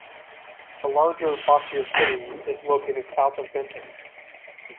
The larger Bossier City is located south of Benton.